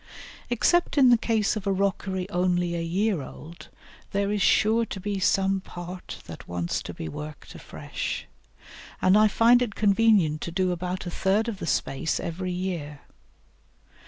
Except in the case of a rockery only a year old, there is sure to be some part that wants to be worked afresh, and I find it convenient to do about a third of the space every year.